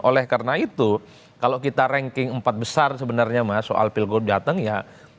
oleh karena itu kalau kita ranking empat besar sebenarnya mas soal pilgub datang ya